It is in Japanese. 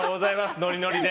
ノリノリで。